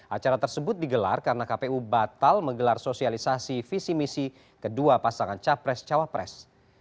acara tersebut digelar karena kpu batal menggelar sosialisasi visi misi kedua pasangan capres cawapres